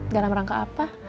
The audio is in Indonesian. dalam rangka apa